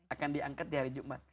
akan diangkat di hari jumat